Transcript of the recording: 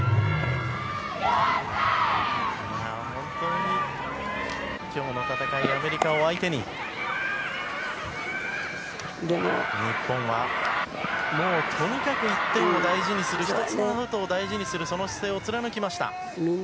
本当に、今日の戦いはアメリカを相手に日本はとにかく１点を大事にする１つのアウトを大事にするその姿勢を貫きました。